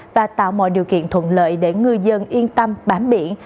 và tạo mọi điều kiện thuận lợi để ngư dân yên tâm bám biển